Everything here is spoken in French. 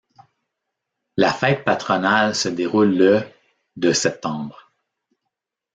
La fête patronale se déroule le de septembre.